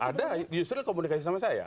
ada yusril komunikasi sama saya